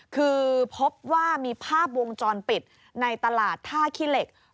คือพบว่ามีภาพวงจรปิดในตลาดท่าขี้เหล็ก